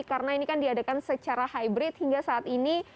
karena ini kan diadakan secara hybrid hingga saat ini